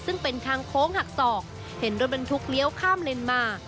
ซึ่งเป็นทางโค้งหักศอกเห็นรถบรรทุกเลี้ยวข้ามเลนมา